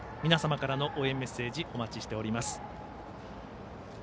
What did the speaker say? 皆様からの応援メッセージお待ちしております。